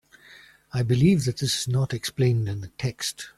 I believe that this is not explained in the text.